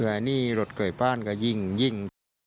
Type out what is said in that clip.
คืออันนี้รถเก้าบ้านก็ยิง